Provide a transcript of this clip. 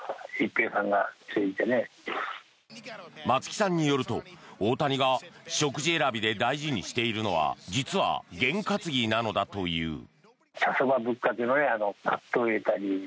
松木さんによると、大谷が食事選びで大事にしているのは実は、げん担ぎなのだという。